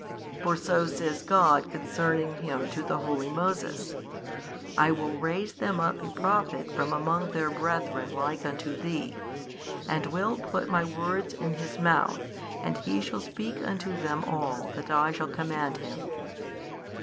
For so says God concerning Him to the holy Moses, I will raise them up a Prophet from among their brethren like unto thee, and will put My words in His mouth and He shall speak unto them all that I shall command Him.